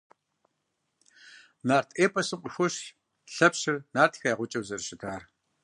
Нарт эпосым къыхощ Лъэпщыр нартхэ я гъукӀэу зэрыщытат.